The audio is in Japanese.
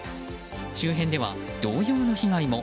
周辺では同様の被害も。